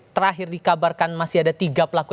terakhir dikabarkan masih ada tiga pelaku